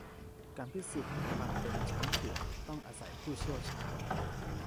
การพิสูจน์ความเป็นช้างเผือก ต้องอาศัยผู้เชี่ยวชาญ